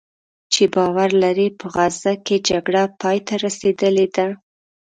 چې باور لري "په غزه کې جګړه پایته رسېدلې ده"